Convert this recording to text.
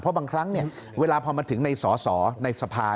เพราะบางครั้งเวลาพอมาถึงในสอสอในสภา